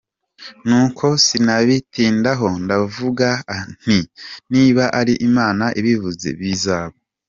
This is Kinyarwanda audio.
Nuko sinabitindaho ndavuga nti: “niba ari Imana ibivuze bizaba.